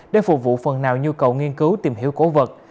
để phục vụ phần nào nhu cầu nghiên cứu tìm hiểu cổ vật